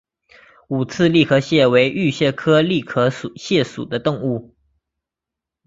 五刺栗壳蟹为玉蟹科栗壳蟹属的动物。